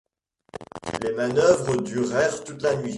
Les manœuvres durèrent toute la nuit.